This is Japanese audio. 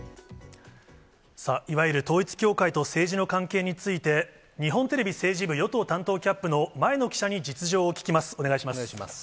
さあ、いわゆる統一教会と政治の関係について、日本テレビ政治部与党担当キャップの前野記者に実情を聞きます。